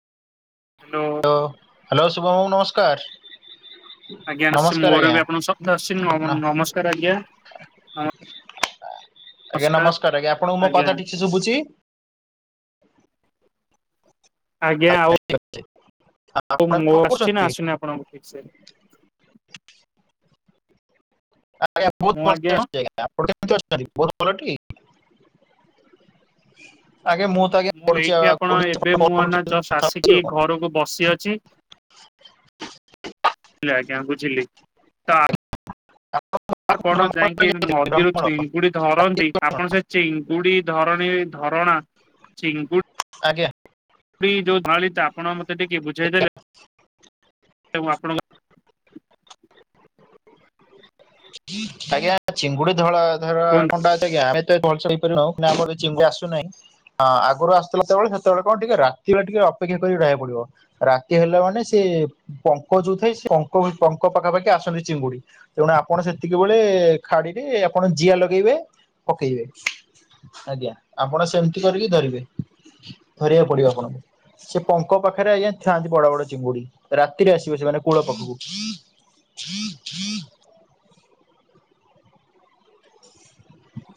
Hello. Hello hello Shubham ବାବୁ ନମସ୍କାର। ଆଜ୍ଞା ଆସୁଛି ନମସ୍କାର ମୋର ଆଜ୍ଞା ବି ଆପଣଙ୍କୁ ସବ୍ଦ ଆସୁଛି ନମସ୍କାର ଆଜ୍ଞା। ଆଜ୍ଞା ନମସ୍କାର ଆଜ୍ଞା ଆପଣଙ୍କୁ ମୋ କଥା ଠିକସେ ଶୁଭୁଛି? ଆଜ୍ଞା ଆଉ। ଠିକ ଅଛି ଆପଣ ତ ମୋ କଣ ଆସିଛି ନା କରୁଛନ୍ତି? ଆସନି ଆପଣଙ୍କୁ ଠିକ ସେ ଆଜ୍ଞା ବ ଆପ ମୁଁ ଆଜ୍ଞା [unintelligible] ବହୁତ ଭଲ ଟି? ଆଜ୍ଞ ମୁଁ ତ ଆଜ୍ଞା ପଢୁଛି [unintelligible] କି ଆଉ ଘରକୁ ବସି ଅଛି। ହେ ଆଜ୍ଞା ବୁଝିଲି। ତ ଆପଣ ଭ୍ରମଣ ପାଇଁ ଯାଇକି ଯାଇଥିଲି ନଦୀରୁ ଭ୍ରମଣ ଚିଙ୍ଗୁଡି ଧରନ୍ତି। ଆପଣ ସେ ଚିଙ୍ଗୁଡି ଧରଣୀ ଧରଣା ଚିଙ୍ଗୁଡ। ଆଜ୍ଞା। ଚିଙ୍ଗୁଡି ଯୋଉ ଧରଳିଟା ତ ଆପଣ ମତେ ଟିକେ ବୁଝେଇଦେଲେ ଆପଣଙ୍କ ଆଜ୍ଞା ଚିଙ୍ଗୁଡି ଧଳ- ଧର କୁହନ୍ତୁ। -କଟା- ଆଜ୍ଞା। [unintelligible] ଆସୁନାହିଁ। ହଁ ଆଗରୁ ଆସଥିଲା ଯେତେବେଳେ ସେତେବେଳେ କଣ ଟିକେ ରାତିରେ ଟିକେ ଅପେକ୍ଷା କରି ରହିବାକୁ ପଡିବ। ରାତି ହେଲା ମାନେ ସେ ପଙ୍କ ଯୋଉ ଥାଏ ସେ ପଙ୍କ ପଙ୍କ ପାଖାପାଖି ଆସନ୍ତି ଚିଙ୍ଗୁଡି ତେଣୁ ଆ ଆପଣ ସେତିକି ବେଳେ ଖାଡିରେ ଆପଣ ଜିଆ ଲଗେଇବେ ପକେଇବେ। ଆଜ୍ଞା ଆପଣ ସେମିତି କରିକି ଧରିବେ। ଧରିବାକୁ ପଡିବ ଆପଣଙ୍କୁ। ସେ ପଙ୍କ ପାଖରେ ଆଜ୍ଞା ଥାଆନ୍ତି ବଡ ବଡ ଚିଙ୍ଗୁଡି ରାତିରେ ଆସିବ ସେମାନେ କୂଳ ପାଖକୁ। [inaudible]